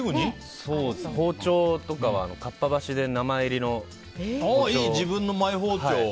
包丁とかはかっぱ橋で名前入りの包丁を。